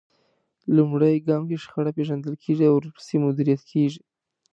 لومړی ګام کې شخړه پېژندل کېږي او ورپسې مديريت کېږي.